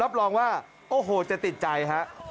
รับรองว่าโอ้โหจะติดใจครับ